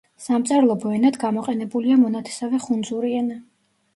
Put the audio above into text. სამწერლობო ენად გამოყენებულია მონათესავე ხუნძური ენა.